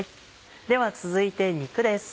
では続いて肉です。